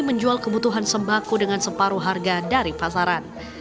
menjual kebutuhan sembako dengan separuh harga dari pasaran